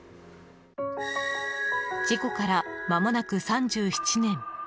事故からまもなく３７年。